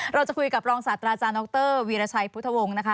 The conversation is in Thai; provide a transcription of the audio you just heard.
เราจะคุยกับรองศัตริย์อาจารย์น็อกเตอร์วิราชัยพุทธวงศ์